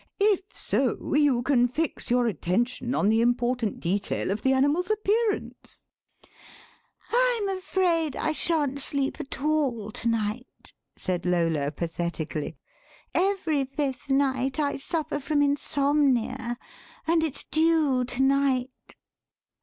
If so; you can fix your attention on the important detail of the animal's appearance." "I'm afraid I shan't sleep at all to night," said Lola pathetically; "every fifth night I suffer from insomnia, and it's due to night."